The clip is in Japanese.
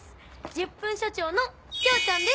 １０分署長の京ちゃんです！